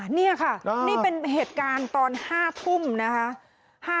นี่ค่ะนี่เป็นเหตุการณ์ตอน๕ทุ่มนะคะ